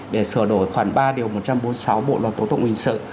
để sửa đổi khoảng ba điều một trăm bốn mươi sáu bộ luật tố tụng hình sự